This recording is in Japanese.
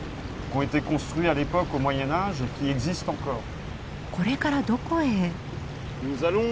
これからどこへ？